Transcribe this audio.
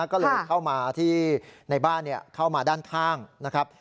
ก็เลยเข้ามาที่ในบ้านเข้ามาด้านข้างนะครับ